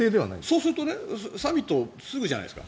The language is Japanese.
そうするとサミットすぐじゃないですか。